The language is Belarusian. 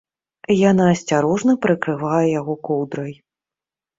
Яна асцярожна прыкрывае яго коўдрай.